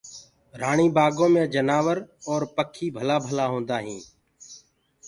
رآڻي بآگو مي جآنور اور پکي ڀلآ ڀلآ هوندآ هينٚ۔